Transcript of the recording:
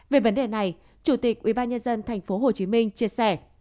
về vấn đề này chủ tịch ubnd tp hcm chia sẻ